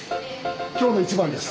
今日の一番です！